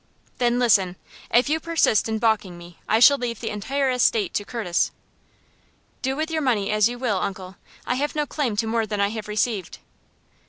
"Then listen! If you persist in balking me, I shall leave the entire estate to Curtis." "Do with your money as you will, uncle. I have no claim to more than I have received."